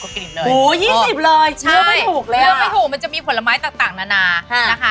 โอ้โห๒๐เลยเชื่อไม่ถูกเลยเลือกไม่ถูกมันจะมีผลไม้ต่างนานานะคะ